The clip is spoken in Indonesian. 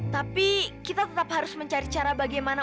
tapi kita tetap harus mencari cara bagaimana